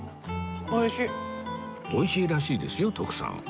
美味しいらしいですよ徳さん